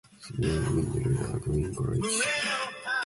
Savile was educated at Queens' College, Cambridge.